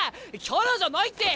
キャラじゃないって！